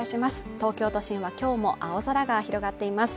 東京都心は今日も青空が広がっています。